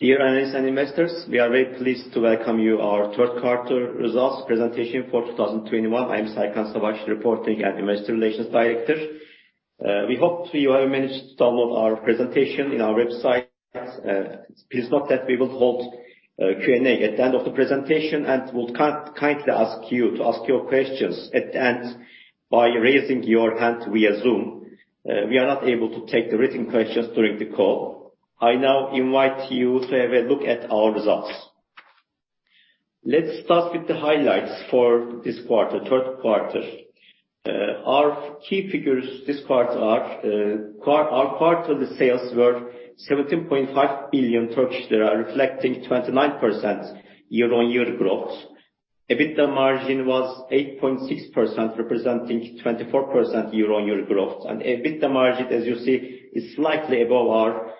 Dear analysts and investors, we are very pleased to welcome you to our third quarter results presentation for 2021. I am Serkan Savaş, Reporting and Investor Relations Director. We hope you have managed to download our presentation on our website. Please note that we will hold Q&A at the end of the presentation, and we'll kindly ask you to ask your questions at the end by raising your hand via Zoom. We are not able to take the written questions during the call. I now invite you to have a look at our results. Let's start with the highlights for this quarter, third quarter. Our key figures this quarter are our quarter sales were 17.5 billion Turkish lira, reflecting 29% year-on-year growth. EBITDA margin was 8.6%, representing 24% year-on-year growth. EBITDA margin, as you see, is slightly above our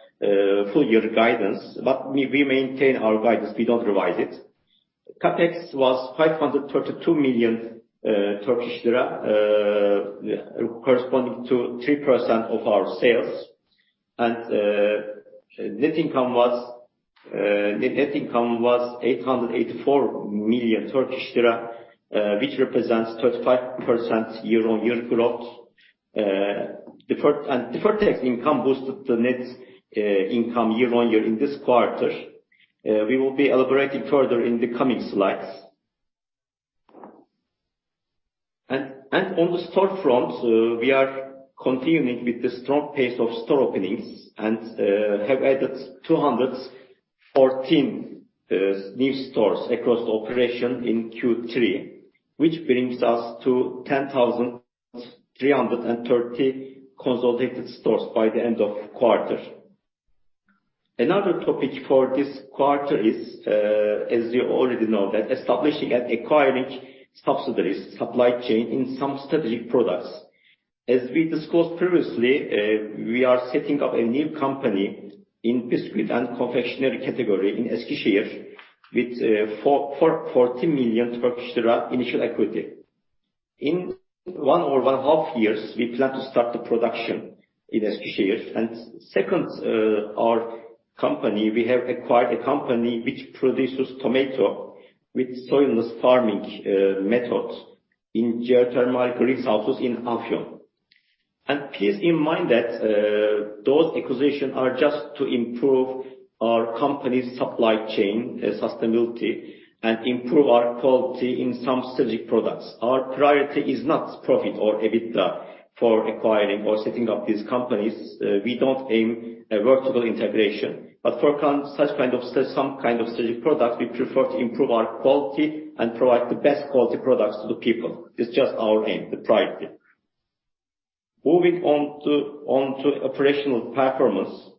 full year guidance. We maintain our guidance, we don't revise it. CapEx was TRY 532 million, corresponding to 3% of our sales. Net income was 884 million Turkish lira, which represents 35% year-on-year growth. Deferred tax income boosted the net income year-on-year in this quarter. We will be elaborating further in the coming slides. On the store front, we are continuing with the strong pace of store openings and have added 214 new stores across the operation in Q3, which brings us to 10,330 consolidated stores by the end of quarter. Another topic for this quarter is, as you already know, that establishing and acquiring subsidiaries, supply chain in some strategic products. As we discussed previously, we are setting up a new company in Biscuit and Confectionery category in Eskişehir with TRY 40 million initial equity. In one or one-half years, we plan to start the production in Eskişehir. Second, our company, we have acquired a company which produces tomatoes with soilless farming methods in geothermal greenhouses in Afyon. Please bear in mind that, those acquisitions are just to improve our company's supply chain sustainability and improve our quality in some strategic products. Our priority is not profit or EBITDA for acquiring or setting up these companies. We don't aim for vertical integration. For such kind of some kind of strategic products, we prefer to improve our quality and provide the best quality products to the people. It's just our aim, the priority. Moving on to operational performance.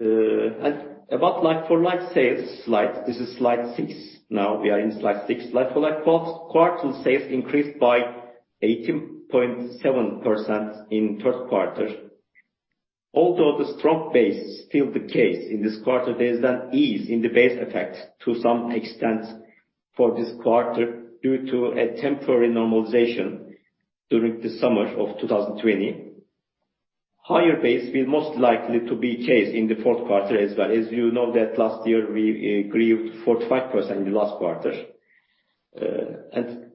And about like-for-like sales slide. This is slide six. Now we are in slide six. Like-for-like quarter sales increased by 18.7% in third quarter. Although the strong base is still the case in this quarter, there is an ease in the base effect to some extent for this quarter due to a temporary normalization during the summer of 2020. Higher base will most likely to be the case in the fourth quarter as well. As you know that last year we grew 45% in the last quarter.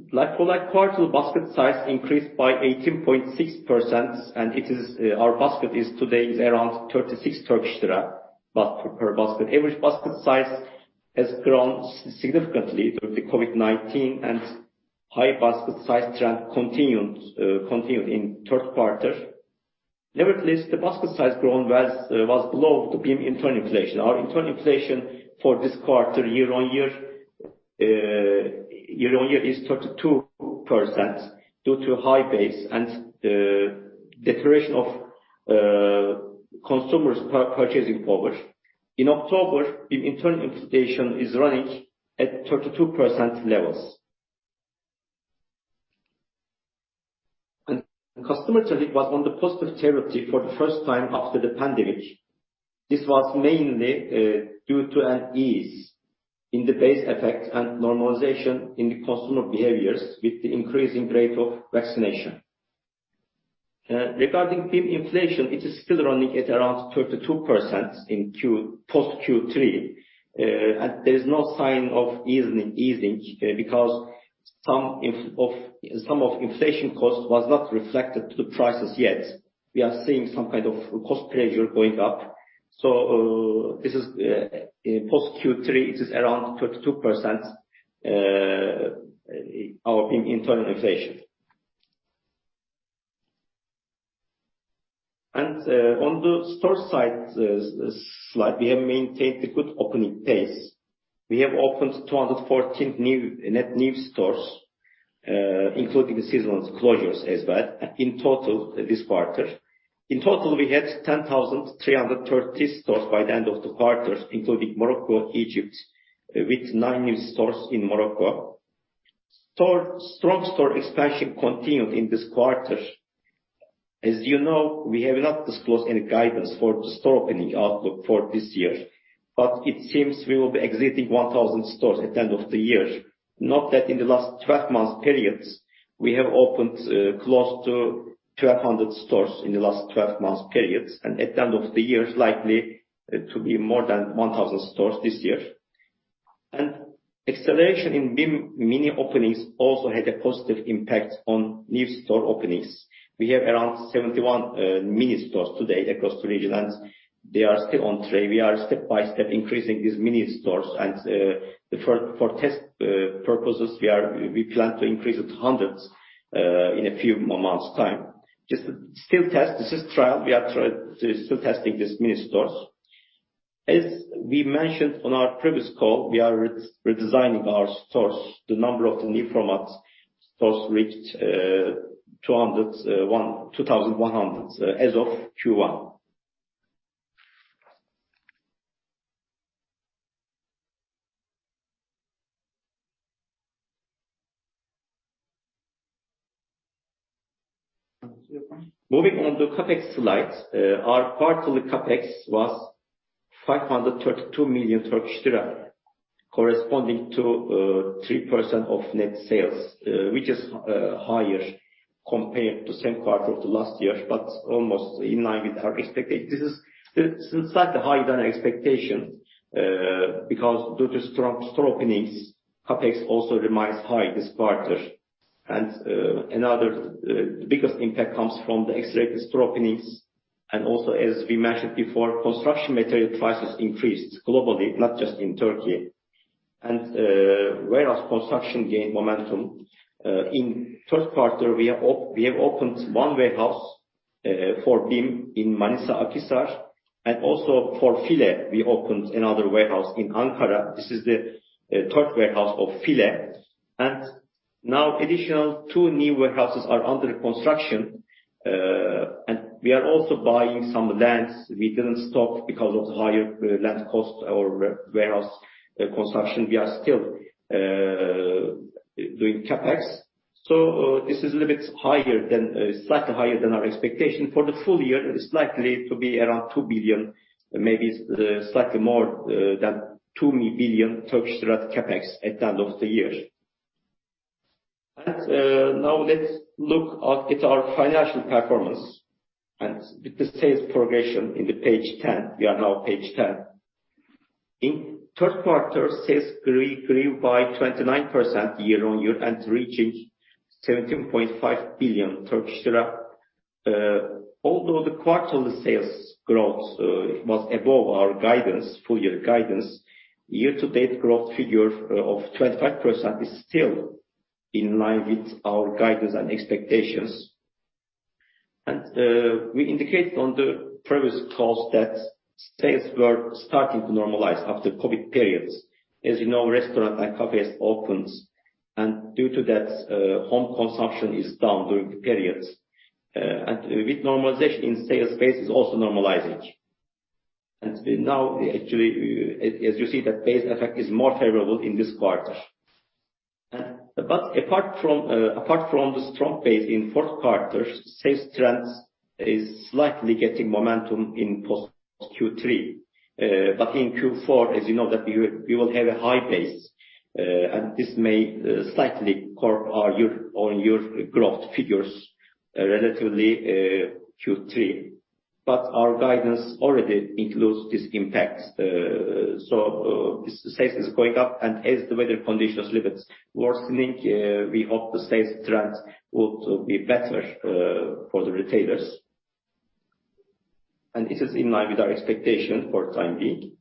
And like-for-like quarter basket size increased by 18.6%. Our basket today is around 36 Turkish lira per basket. Average basket size has grown significantly during the COVID-19, and high basket size trend continued in third quarter. Nevertheless, the basket size growth was below the BIM internal inflation. Our internal inflation for this quarter year-on-year is 32% due to high base and deterioration of consumers' purchasing power. In October, the internal inflation is running at 32% levels. Customer traffic was on the positive territory for the first time after the pandemic. This was mainly due to an ease in the base effect and normalization in the consumer behaviors with the increasing rate of vaccination. Regarding BIM inflation, it is still running at around 32% post Q3. There is no sign of easing because some of inflation cost was not reflected to the prices yet. We are seeing some kind of cost pressure going up. This is post Q3, it is around 32%, our BIM internal inflation. On the store side slide, we have maintained a good opening pace. We have opened 214 net new stores, including seasonal closures as well in total this quarter. In total, we had 10,330 stores by the end of the quarter, including Morocco, Egypt, with nine new stores in Morocco. Strong store expansion continued in this quarter. As you know, we have not disclosed any guidance for the store opening outlook for this year, but it seems we will be exiting 1,000 stores at the end of the year. Note that in the last twelve months periods, we have opened close to 1,200 stores in the last twelve months periods, and at the end of the year, likely to be more than 1,000 stores this year. Acceleration in BIM mini openings also had a positive impact on new store openings. We have around 71 mini stores today across the region, and they are still on track. We are step-by-step increasing these mini stores. For test purposes, we plan to increase it to hundreds in a few months time. Just still test. This is trial. We are still testing these mini stores. As we mentioned on our previous call, we are redesigning our stores. The number of new format stores reached 2,100 as of Q1. Moving on to CapEx slide. Our quarterly CapEx was 532 million Turkish lira, corresponding to 3% of net sales, which is higher compared to same quarter of the last year, but almost in line with our expectation. This is slightly higher than expectation because due to strong store openings, CapEx also remains high this quarter. Another biggest impact comes from the accelerated store openings. Also, as we mentioned before, construction material prices increased globally, not just in Turkey. Warehouse construction gained momentum. In third quarter, we have opened one warehouse for BIM in Manisa Akhisar. Also for File, we opened another warehouse in Ankara. This is the third warehouse of File. Now additional two new warehouses are under construction. We are also buying some lands. We didn't stop because of higher land costs or warehouse construction. We are still doing CapEx. This is a little bit slightly higher than our expectation. For the full year, it's likely to be around 2 billion, maybe slightly more than 2 billion CapEx at the end of the year. Now let's look at our financial performance and the sales progression in page 10. We are now page 10. In third quarter, sales grew by 29% year-on-year and reaching 17.5 billion Turkish lira. Although the quarterly sales growth was above our guidance, full-year guidance, the year-to-date growth figure of 25% is still in line with our guidance and expectations. We indicated on the previous calls that sales were starting to normalize after COVID-19 periods. As you know, restaurants and cafes opened, and due to that, home consumption is down during the periods. With normalization in sales, base is also normalizing. Now actually, as you see, the base effect is more favorable in this quarter. Apart from the strong base in fourth quarter, sales trends is slightly getting momentum in post-Q3. In Q4, as you know that we will have a high base, and this may slightly curb our year-on-year growth figures relatively Q3. Our guidance already includes these impacts. The sales is going up, and as the weather conditions little bit worsening, we hope the sales trends would be better for the retailers. This is in line with our expectation for time being.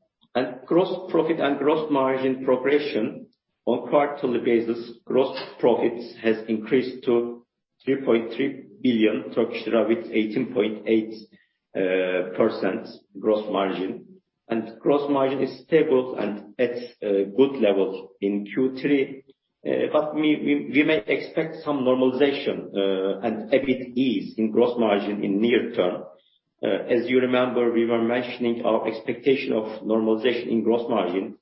Gross profit and gross margin progression on quarterly basis. Gross profits has increased to 3.3 billion Turkish lira with 18.8% gross margin. Gross margin is stable and at good levels in Q3. We may expect some normalization and a bit ease in gross margin in near term. As you remember, we were mentioning our expectation of normalization in gross margin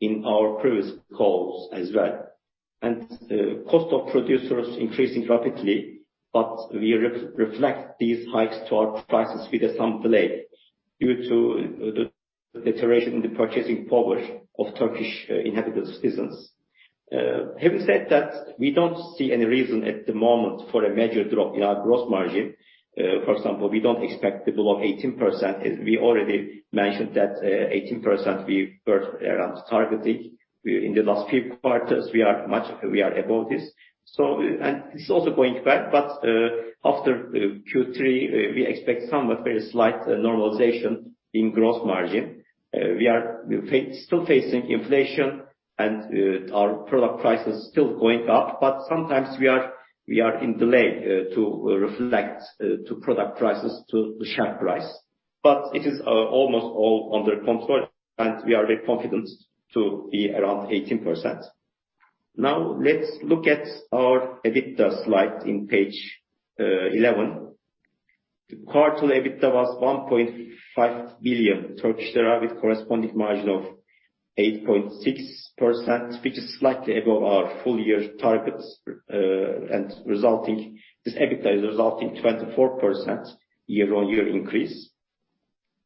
in our previous calls as well. Cost of products increasing rapidly, but we reflect these hikes to our prices with some delay due to the deterioration in the purchasing power of Turkish citizens. Having said that, we don't see any reason at the moment for a major drop in our gross margin. For example, we don't expect below 18%. As we already mentioned that, 18% we were around targeting. In the last few quarters, we are above this, and this is also going back. After Q3, we expect somewhat very slight normalization in gross margin. We are still facing inflation and our product prices still going up. Sometimes we are in delay to reflect to product prices to the shelf price. It is almost all under control, and we are very confident to be around 18%. Now let's look at our EBITDA slide on page 11. The quarterly EBITDA was 1.5 billion Turkish lira, with corresponding margin of 8.6%, which is slightly above our full-year targets, and this EBITDA is resulting 24% year-on-year increase.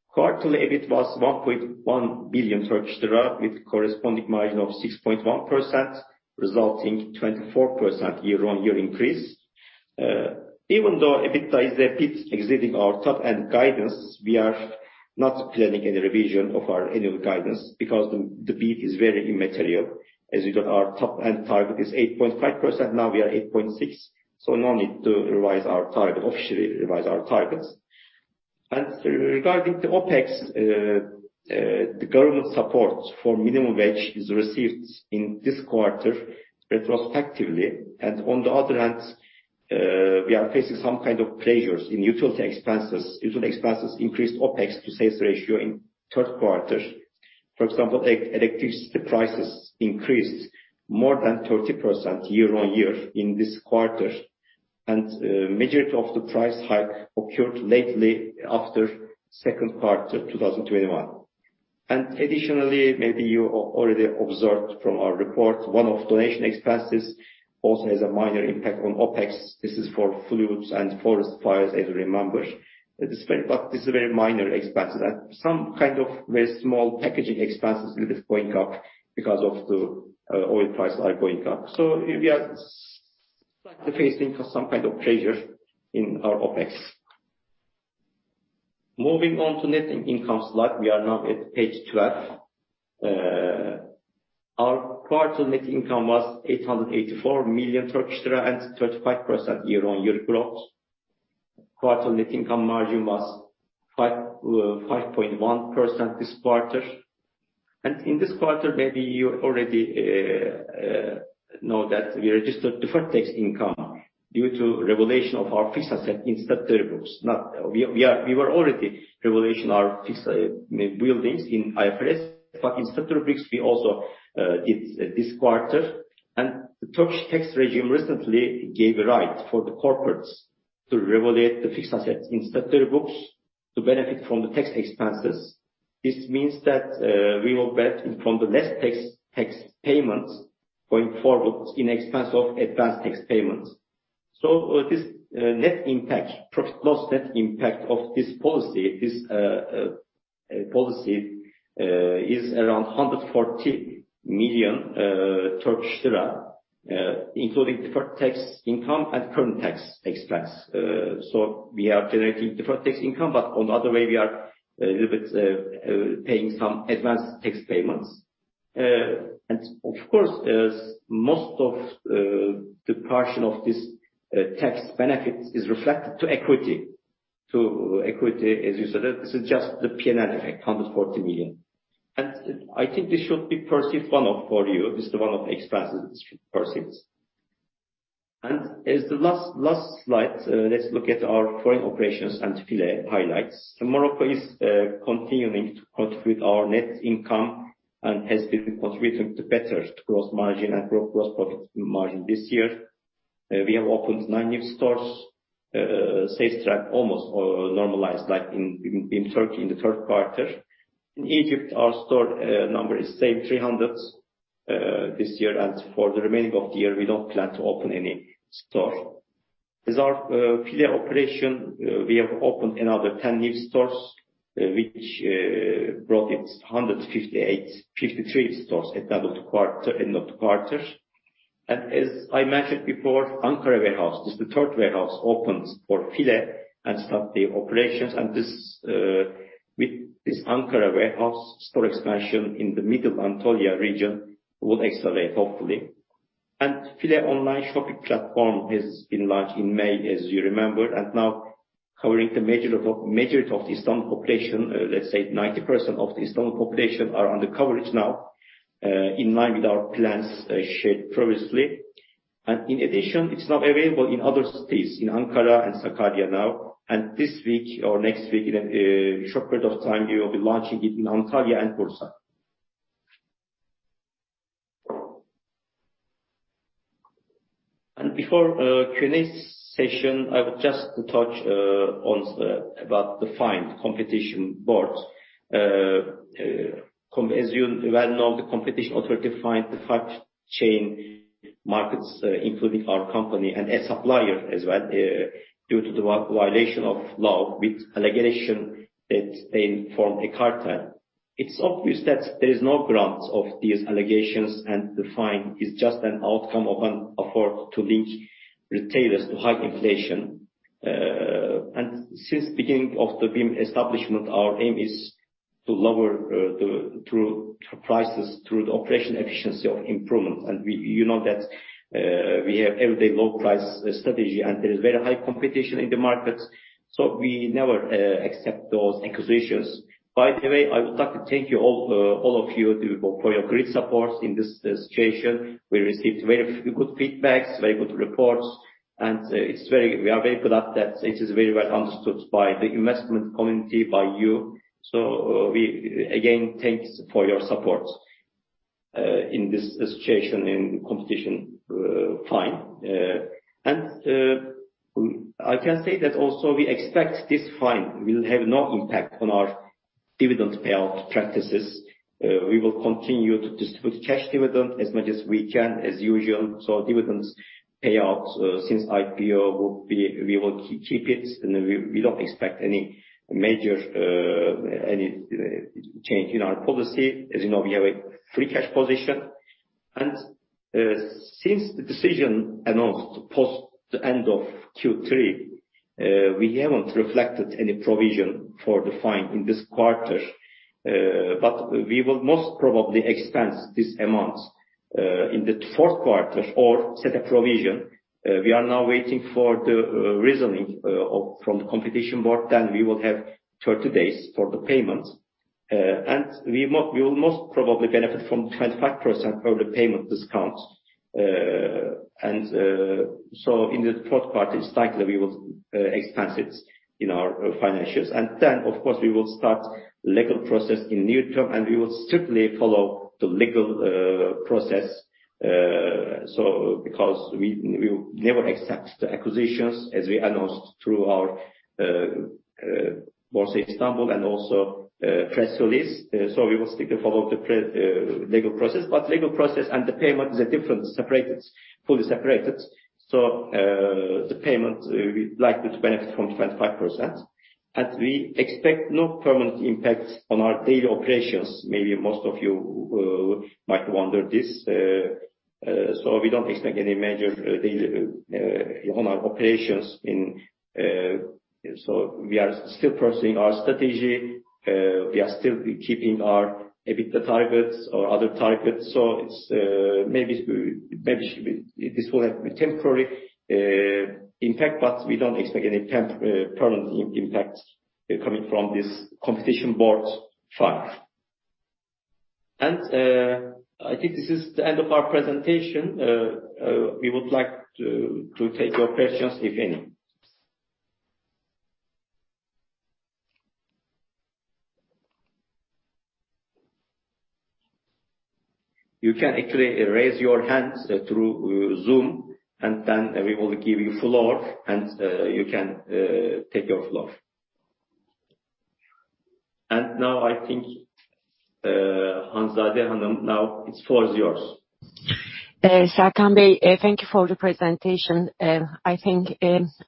Quarterly EBIT was 1.1 billion Turkish lira with corresponding margin of 6.1%, resulting 24% year-on-year increase. Even though EBITDA is a bit exceeding our top-end guidance, we are not planning any revision of our annual guidance because the beat is very immaterial. As you know, our top-end target is 8.5%. Now we are 8.6, so no need to officially revise our targets. Regarding the OpEx, the government support for minimum wage is received in this quarter retrospectively. On the other hand, we are facing some kind of pressures in utility expenses. Utility expenses increased OpEx to sales ratio in third quarter. For example, electricity prices increased more than 30% year-on-year in this quarter. Majority of the price hike occurred lately after second quarter 2021. Additionally, maybe you already observed from our report, one-off donation expenses also has a minor impact on OpEx. This is for floods and forest fires, as you remember. But this is very minor expenses and some kind of very small packaging expenses little bit going up because of the oil price are going up. We are slightly facing some kind of pressure in our OpEx. Moving on to net income slide. We are now at page 12. Our quarter net income was 884 million Turkish lira and 35% year-on-year growth. Quarter net income margin was 5.1% this quarter. In this quarter, maybe you already know that we registered deferred tax income due to revaluation of our fixed asset in Statutory books. Now, we were already revaluing our fixed buildings in IFRS, but in Statutory books we also did this quarter. The Turkish tax regime recently gave a right for the corporates to revalue the fixed assets in Statutory books to benefit from the tax expenses. This means that we will benefit from the less tax payments going forward in expense of advanced tax payments. This net impact, P&L net impact of this policy is around 140 million Turkish lira, including deferred tax income and current tax expense. We are generating deferred tax income, but on the other hand, we are paying some advanced tax payments. Of course, as most of the portion of this tax benefit is reflected to equity. As you said, this is just the P&L effect, 140 million. I think this should be perceived one-off for you. This is one-off expenses perceived. As the last slide, let's look at our foreign operations and File highlights. Morocco is continuing to contribute to our net income and has been contributing to better gross margin and growing gross profit margin this year. We have opened nine new stores. Sales track almost normalized like in Turkey in the third quarter. In Egypt, our store number is same, 300 this year. For the remaining of the year, we don't plan to open any store. As our File operation, we have opened another 10 new stores, which brought it to 153 stores at the end of the quarter. As I mentioned before, Ankara warehouse, this is the third warehouse opened for File and start the operations. With this Ankara warehouse store expansion in the Middle Anatolia region will accelerate hopefully. File online shopping platform has been launched in May, as you remember, and now covering the majority of the Istanbul population. Let's say 90% of the Istanbul population are under coverage now, in line with our plans, shared previously. In addition, it's now available in other states, in Ankara and Sakarya now. This week or next week, in a short period of time, we will be launching it in Antalya and Bursa. Before Q&A session, I would just touch on the fine from the Competition Board. As you well know, the competition authority fined the five chain markets, including our company and a supplier as well, due to the violation of law with allegation that they form a cartel. It's obvious that there is no grounds of these allegations, and the fine is just an outcome of an effort to link retailers to high inflation. Since the beginning of the BIM establishment, our aim is to lower the prices through the operational efficiency improvements. You know that we have everyday low price strategy, and there is very high competition in the market, so we never accept those accusations. By the way, I would like to thank you all of you for your great support in this situation. We received very good feedback, very good reports, and we are very glad that it is very well understood by the investment community, by you. We again thank you for your support in this situation, in competition, fine. I can say that also we expect this fine will have no impact on our dividend payout practices. We will continue to distribute cash dividend as much as we can, as usual. Dividend payouts since IPO will be, we will keep it, and we don't expect any major change in our policy. As you know, we have a free cash position. Since the decision announced post the end of Q3, we haven't reflected any provision for the fine in this quarter. We will most probably expense this amount in the fourth quarter or set a provision. We are now waiting for the reasoning from the competition board, then we will have 30 days for the payment. We will most probably benefit from 25% of the payment discount. In the fourth quarter slightly we will expense it in our financials. Of course, we will start legal process in near term, and we will strictly follow the legal process. Because we never accept the accusations as we announced through our Borsa Istanbul and also press release. We will strictly follow the legal process. Legal process and the payment is different, separated, fully separated. The payment, we're likely to benefit from 25%. We expect no permanent impact on our daily operations. Maybe most of you might wonder this. We don't expect any major delay on our operations. We are still pursuing our strategy. We are still keeping our EBITDA targets or other targets. This will have a temporary impact, but we don't expect any permanent impact coming from this Competition Board fine. I think this is the end of our presentation. We would like to take your questions, if any. You can actually raise your hands through Zoom, and then we will give you the floor, and you can take the floor. Now I think Hanzade Hanım, now the floor is yours. Serkan Bey, thank you for the presentation. I think,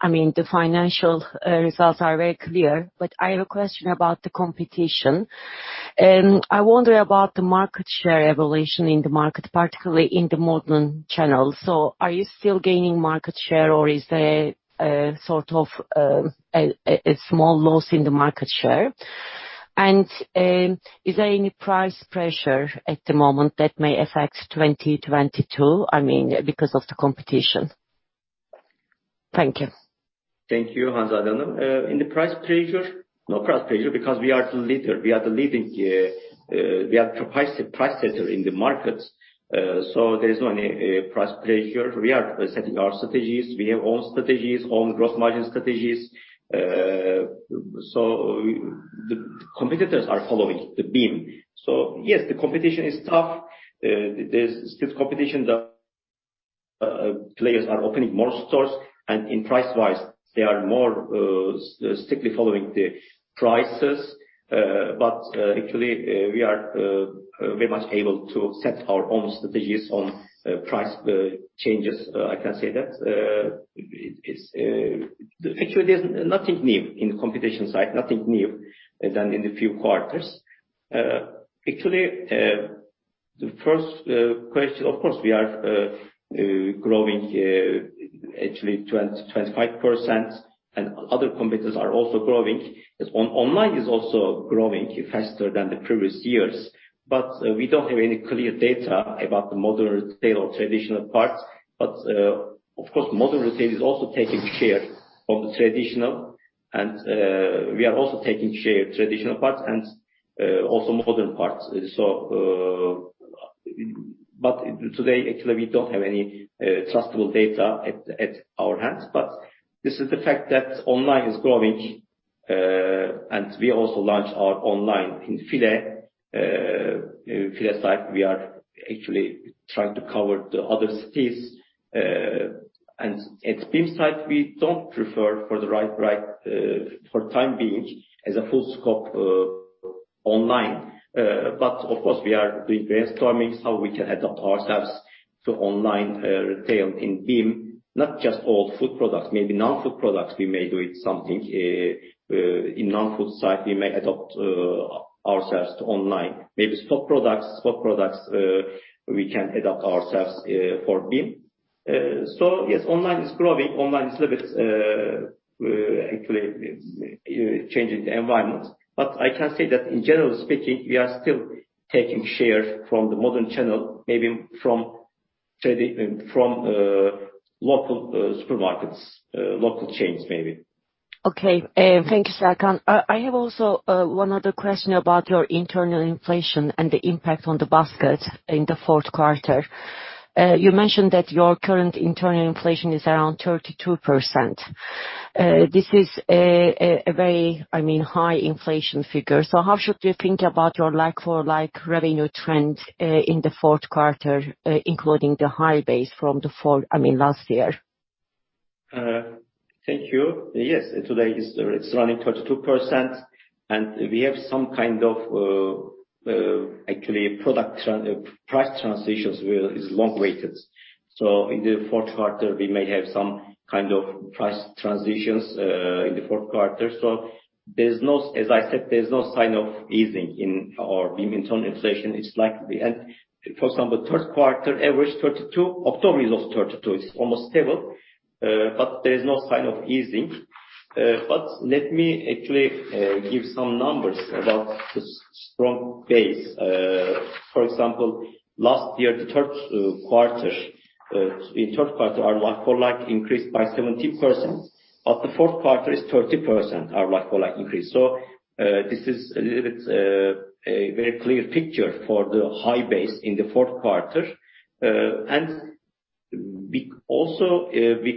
I mean, the financial results are very clear. I have a question about the competition. I wonder about the market share evolution in the market, particularly in the modern channels. Are you still gaining market share or is there a sort of, a small loss in the market share? Is there any price pressure at the moment that may affect 2022, I mean, because of the competition? Thank you. Thank you, Hanzade Hanım. In the price pressure, no price pressure because we are the leader. We are the leading price setter in the markets. There's no any price pressure. We are setting our strategies. We have own strategies, own growth margin strategies. The competitors are following the BIM. Yes, the competition is tough. There's still competition. The players are opening more stores, and in price-wise, they are more strictly following the prices. Actually, we are very much able to set our own strategies on price changes. I can say that. Actually, there's nothing new in the competition side, nothing new than in the few quarters. Actually, the first question, of course, we are growing actually 25% and other competitors are also growing. Online is also growing faster than the previous years. We don't have any clear data about the modern retail traditional parts. Of course, modern retail is also taking share of the traditional and we are also taking share traditional parts and also modern parts. Today, actually, we don't have any trustable data at our hands. This is the fact that online is growing and we also launched our online in File site. We are actually trying to cover the other cities. At BIM site, we don't prefer for the right for time being as a full scope online. Of course, we are doing brainstorming so we can adapt ourselves to online retail in BIM, not just all food products. Maybe non-food products we may do something. In non-food side, we may adapt ourselves to online. Maybe stock products, we can adapt ourselves for BIM. Yes, online is growing. Online is a little bit actually changing the environment. I can say that generally speaking, we are still taking shares from the modern channel, maybe from local supermarkets, local chains, maybe. Okay. Thank you, Serkan. I have also one other question about your internal inflation and the impact on the basket in the fourth quarter. You mentioned that your current internal inflation is around 32%. This is a very, I mean, high inflation figure. How should we think about your like-for-like revenue trend in the fourth quarter, including the high base from the fourth, I mean, last year? Thank you. Yes, today is, it's running 32%, and we have some kind of, actually product price transitions which are long-awaited. In the fourth quarter, we may have some kind of price transitions in the fourth quarter. There's no... As I said, there's no sign of easing in our BIM internal inflation. It's likely. For example, third quarter average 32, October is also 32. It's almost stable, but there is no sign of easing. But let me actually give some numbers about the strong base. For example, last year, third quarter, our like-for-like increased by 70%, but the fourth quarter is 30% our like-for-like increase. This is a little bit, a very clear picture for the high base in the fourth quarter. We also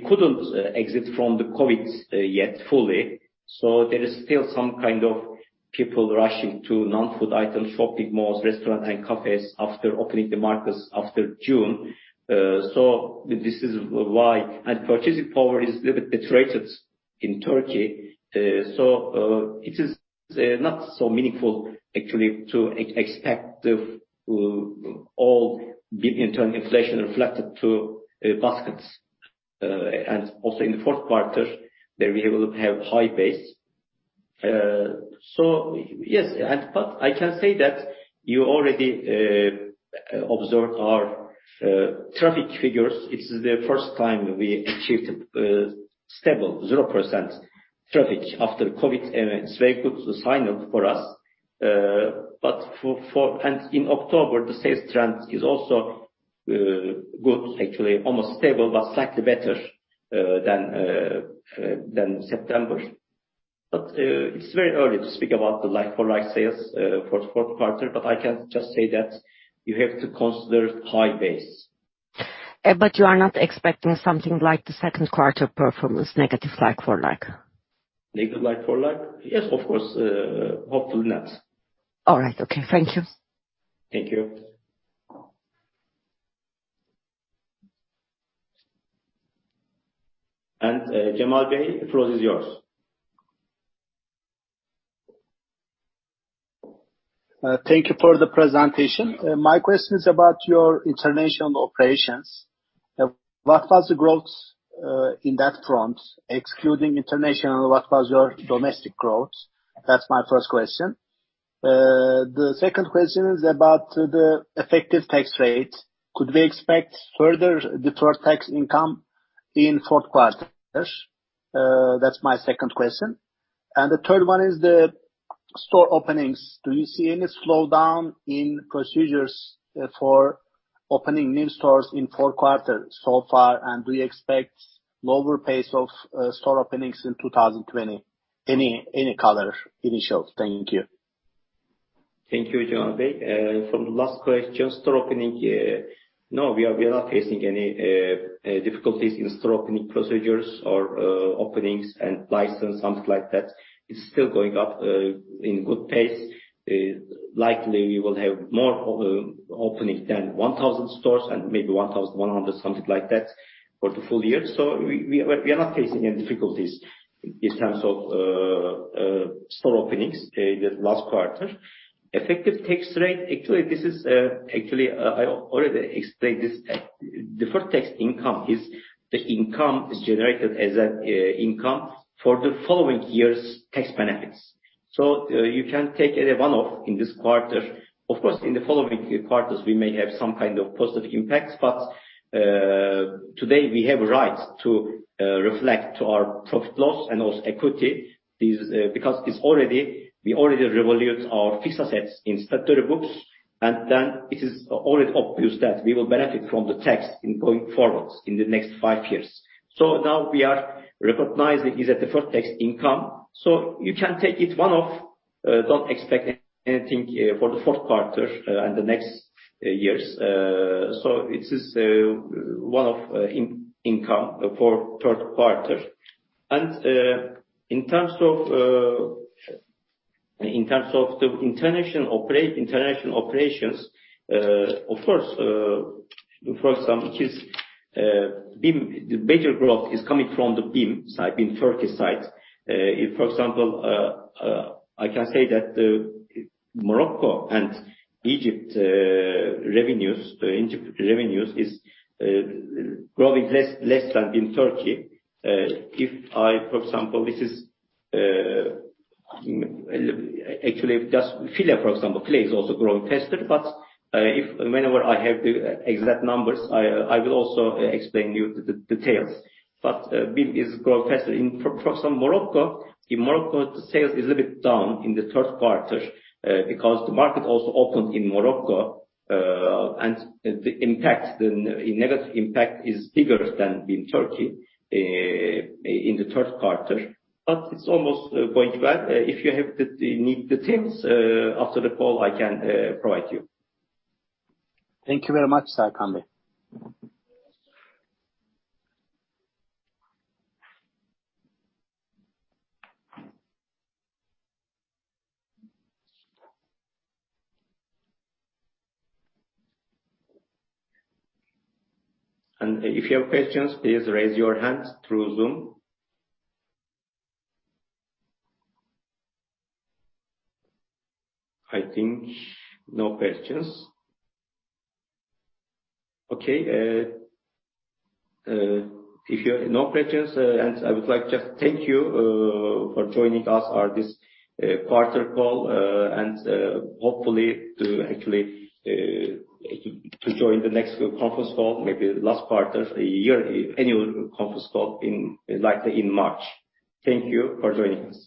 couldn't exit from the COVID yet fully, so there is still some kind of people rushing to non-food items, shopping malls, restaurants and cafes after opening the markets after June. This is why. Purchasing power is little bit deteriorated in Turkey. It is not so meaningful actually to expect the all BIM internal inflation reflected to baskets. In the fourth quarter, they will have high base. I can say that you already observe our traffic figures. It's the first time we achieved stable 0% traffic after COVID, and it's very good signal for us. In October, the sales trend is also good, actually almost stable, but slightly better than September. It's very early to speak about the like-for-like sales for the fourth quarter. I can just say that you have to consider high base. You are not expecting something like the second quarter performance, negative like-for-like? Negative like-for-like? Yes, of course. Hopefully not. All right. Okay. Thank you. Thank you. Cemal Bey, the floor is yours. Thank you for the presentation. My question is about your international operations. What was the growth in that front? Excluding international, what was your domestic growth? That's my first question. The second question is about the effective tax rate. Could we expect further deferred tax income in fourth quarters? That's my second question. The third one is the store openings. Do you see any slowdown in procedures for opening new stores in fourth quarter so far? Do you expect lower pace of store openings in 2020? Any color on this. Thank you. Thank you, Cemal Bey. From the last question, store opening, no, we are not facing any difficulties in store opening procedures or openings and license, something like that. It's still going up in good pace. Likely we will have more opening than 1,000 stores and maybe 1,100, something like that, for the full year. We are not facing any difficulties in terms of store openings this last quarter. Effective tax rate, actually, this is actually I already explained this. Deferred tax income is the income generated as an income for the following year's tax benefits. You can take it a one-off in this quarter. Of course, in the following quarters, we may have some kind of positive impacts, but today we have to reflect in our P&L and also equity. This is because it's already. We already revalued our fixed assets in statutory books, and then it is already obvious that we will benefit from the tax income going forward in the next five years. Now we are recognizing a deferred tax income, so you can take it one-off. Don't expect anything for the fourth quarter and the next years. So it is one-off income for third quarter. In terms of the international operations, of course, for example, the better growth is coming from the BIM side, BIM Turkey side. If, for example, I can say that Morocco and Egypt revenues, the Egypt revenues is growing less than in Turkey. If I, for example, this is actually just File, for example, File is also growing faster. If whenever I have the exact numbers, I will also explain to you the details. BIM is growing faster. For example, in Morocco, the sales is a bit down in the third quarter because the market also opened in Morocco and the negative impact is bigger than in Turkey in the third quarter. It's almost going well. If you have the needed details after the call, I can provide to you. Thank you very much, Serkan Bey. If you have questions, please raise your hand through Zoom. I think no questions. Okay. If you have no questions, and I would like just thank you for joining us on this quarter call, and hopefully to actually join the next conference call, maybe last quarter, a year, annual conference call in, likely in March. Thank you for joining us.